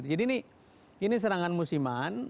jadi ini serangan musiman